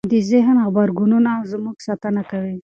د ذهن غبرګونونه زموږ ساتنه کوي.